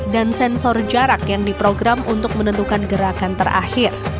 dan sensor jarak yang diprogram untuk menentukan gerakan terakhir